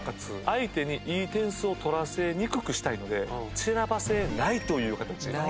相手にいい点数を取らせにくくしたいのでちらばせないという形。